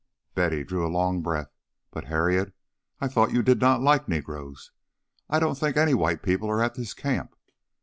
Betty drew a long breath. "But, Harriet, I thought you did not like negroes. I don't think any white people are at this camp."